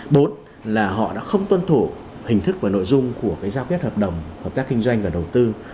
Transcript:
bốn là họ đã không tuân thủ hình thức và nội dung của cái giao kết hợp đồng hợp tác kinh doanh và đầu tư